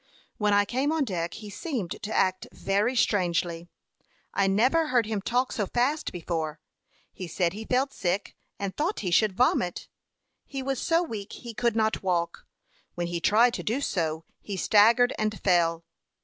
When I came on deck he seemed to act very strangely. I never heard him talk so fast before. He said he felt sick, and thought he should vomit. He was so weak he could not walk; when he tried to do so, he staggered and fell.